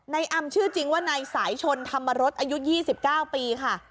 ในอำชื่อจริงว่าในสายชนทำรถอายุ๒๙ปีค่ะ